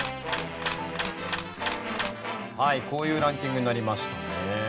はいこういうランキングになりましたね。